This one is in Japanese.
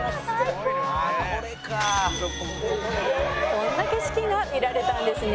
「こんな景色が見られたんですね」